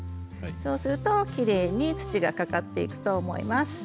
そうするときれいに土がかかっていくと思います。